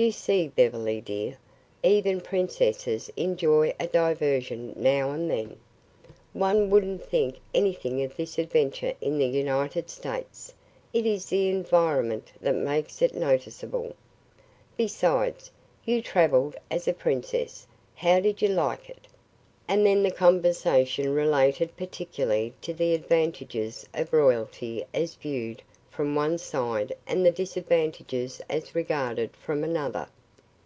You see, Beverly, dear, even princesses enjoy a diversion now and then. One wouldn't think anything of this adventure in the United States; it is the environment that makes it noticeable. Besides, you traveled as a princess. How did you like it?" And then the conversation related particularly to the advantages of royalty as viewed from one side and the disadvantages as regarded from another.